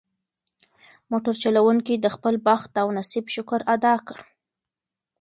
موټر چلونکي د خپل بخت او نصیب شکر ادا کړ.